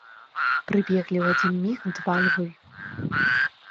Прыбеглі ў адзін міг два львы.